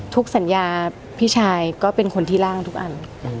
สัญญาพี่ชายก็เป็นคนที่ร่างทุกอัน